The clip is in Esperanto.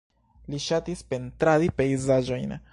Li ŝatis pentradi pejzaĝojn.